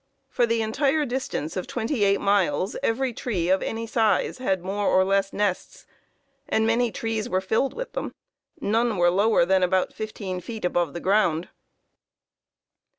For the entire distance of 28 miles every tree of any size had more or less nests, and many trees were filled with them. None were lower than about 15 feet above the ground.